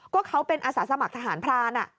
ก็เขาเป็นอาสาสมัครทหารพราน